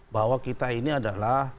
bahwa kita ini adalah